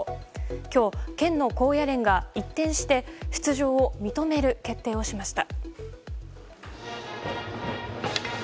今日、県の高野連が一転して出場を認める決定をしました。